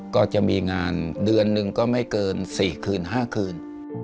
ก็จะมีงานเดือนหนึ่งก็ไม่เกิน๔คืน๕คืน